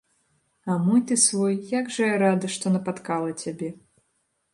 А мой ты свой, як жа я рада, што напаткала цябе.